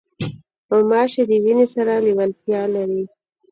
غوماشې د وینې سره لیوالتیا لري.